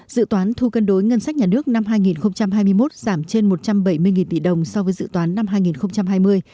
dự toán thu cân đối ngân sách nhà nước năm hai nghìn hai mươi một giảm trên một trăm bảy mươi tỷ đồng so với dự toán năm hai nghìn hai mươi